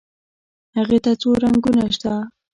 هغې ته څو رنګونه شته.